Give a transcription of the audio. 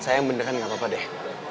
sayang beneran ga papa deh